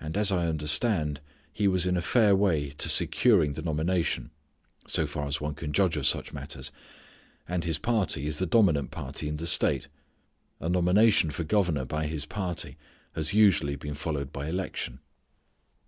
And as I understand he was in a fair way to securing the nomination, so far as one can judge of such matters. And his party is the dominant party in the state. A nomination for governor by his party has usually been followed by election.